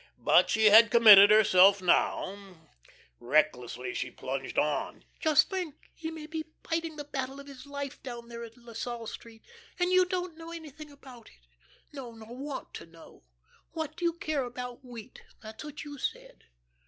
But she had committed herself now; recklessly she plunged on. "Just think; he may be fighting the battle of his life down there in La Salle Street, and you don't know anything about it no, nor want to know. 'What do you care about wheat,' that's what you said.